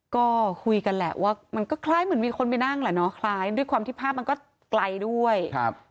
ก็คุยกันแหละว่ามันก็คล้ายเหมือนมีคนไปนั่งแหละเนาะคล้ายด้วยความที่ภาพมันก็ไกลด้วยครับ